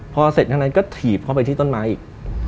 พอเสร็จทั้งนั้นก็ถีบเข้าไปที่ต้นไม้อีก